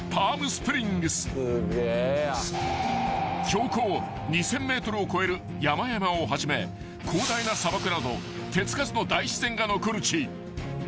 ［標高２，０００ｍを超える山々をはじめ広大な砂漠など手付かずの大自然が残る地］